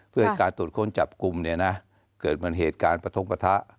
เพื่อให้การตรวจคนจับกลุ่มเกิดเป็นเหตุการณ์ประทบประทะ